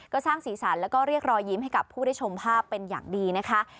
ก็สร้างสีสันแล้วก็เรียกรอยยิ้มให้กับผู้ได้ชมภาพเป็นอย่างดีนะคะ